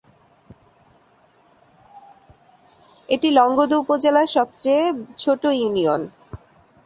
এটি লংগদু উপজেলার সবচেয়ে ছোট ইউনিয়ন।